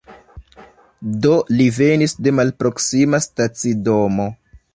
Do li venis de malproksima stacidomo.